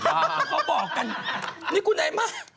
เขาบอกกันนี่กูไหนมา